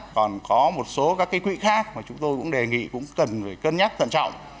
còn có một số các cái quỹ khác mà chúng tôi cũng đề nghị cũng cần phải cân nhắc tận trọng